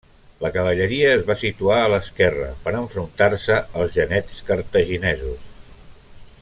La cavalleria es va situar a l'esquerra, per enfrontar-se als genets cartaginesos.